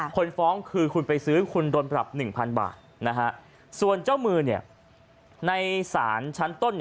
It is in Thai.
คนฟ้องคือคุณไปซื้อคุณโดนปรับ๑๐๐บาทส่วนเจ้ามือในสารชั้นต้น